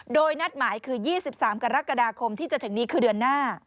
โดยนัดหมายคือ๒๓กรกฎาคมที่จะถึงนี้คือเดือนหน้า